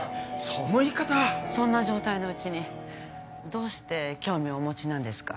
その言い方はそんな状態のうちにどうして興味をお持ちなんですか？